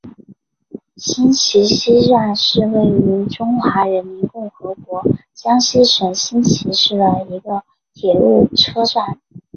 新沂西站是位于中华人民共和国江苏省新沂市的一个铁路车站。